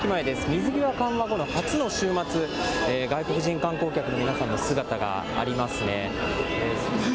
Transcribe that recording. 水際緩和後の初の週末、外国人観光客の皆さんの姿がありますね。